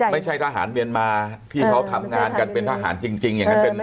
ไม่ใช่ทหารเมียนมาที่เขาทำงานกันเป็นทหารจริงอย่างนั้น